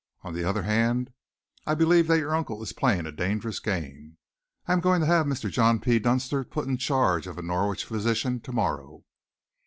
On the other hand, I believe that your uncle is playing a dangerous game. I am going to have Mr. John P. Dunster put in charge of a Norwich physician to morrow."